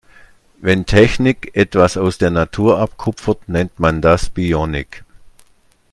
Wenn Technik etwas aus der Natur abkupfert, nennt man das Bionik.